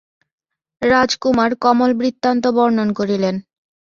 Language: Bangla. রাজকুমার কমলবৃত্তান্ত বর্ণন করিলেন।